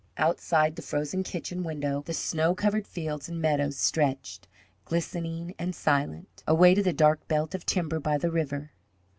Outside the frozen kitchen window the snow covered fields and meadows stretched, glistening and silent, away to the dark belt of timber by the river.